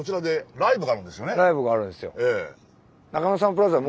ライブがあるんですよ。